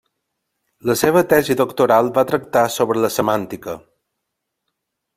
La seva tesi doctoral va tractar sobre la Semàntica.